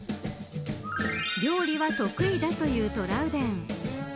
料理は得意だというトラウデン。